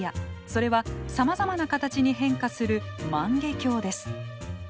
それはさまざまな形に変化する万華鏡です。